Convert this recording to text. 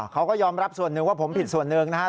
เขาก็ยอมรับส่วนหนึ่งว่าผมผิดส่วนหนึ่งนะครับ